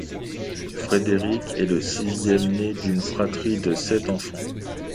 Frédéric est le sixième né d'une fratrie de sept enfants.